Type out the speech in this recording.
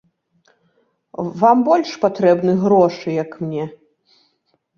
Вам больш патрэбны грошы, як мне.